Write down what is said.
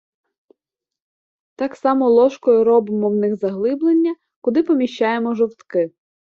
Так само ложкою робимо в них заглиблення, куди поміщаємо жовтки.